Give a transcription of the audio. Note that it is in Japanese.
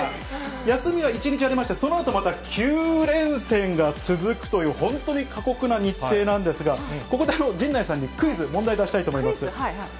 休みは１日ありまして、そのあとまた９連戦が続くという、本当に過酷な日程なんですが、ここで陣内さんにクイズ、問題出したいと思います。